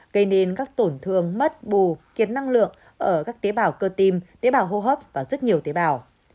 gây nên các tổn thương mất bù kiệt năng lượng ở các tế bào cơ tim tế bào hô hấp và rất nhiều tế bào